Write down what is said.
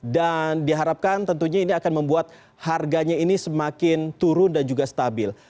dan diharapkan tentunya ini akan membuat harganya ini semakin turun dan juga stabil